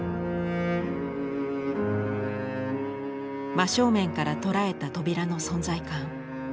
真正面から捉えた扉の存在感。